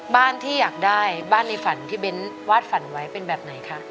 บ้านที่อยากได้บ้านในฝันที่เบ้นวาดฝันไว้เป็นแบบไหนคะ